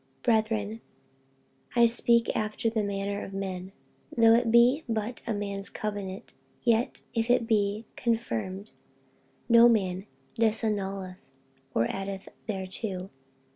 48:003:015 Brethren, I speak after the manner of men; Though it be but a man's covenant, yet if it be confirmed, no man disannulleth, or addeth thereto.